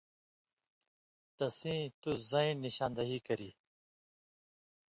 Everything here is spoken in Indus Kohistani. تسیں تُس زَیں نِشان دہی کری